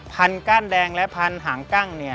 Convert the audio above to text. พันธุ์ก้านแดงและพันธุ์หางกั้ง